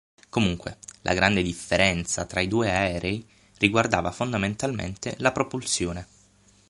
Comunque, la grande differenza tra i due aerei riguardava fondamentalmente la propulsione.